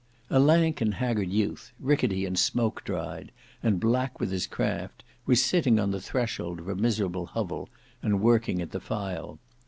A lank and haggard youth, ricketty and smoke dried, and black with his craft, was sitting on the threshold of a miserable hovel and working at the file.